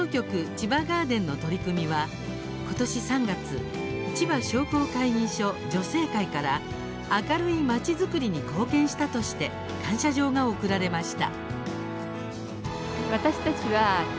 千葉ガーデンの取り組みはことし３月千葉商工会議所女性会から明るい町づくりに貢献したとして感謝状が送られました。